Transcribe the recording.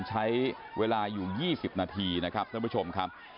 ใช้เวลาอยู่๒๐นาทีนะครับท่านผู้ชมครับ